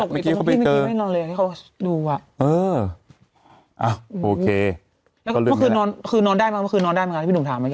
ตกไปตรงนั้น